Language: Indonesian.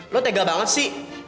lo tega banget sih